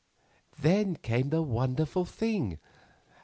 Then came the wonderful thing.